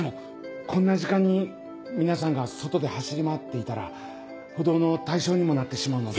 こんな時間に皆さんが外で走り回っていたら補導の対象にもなってしまうので。